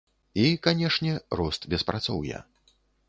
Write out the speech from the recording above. І, канешне, рост беспрацоўя.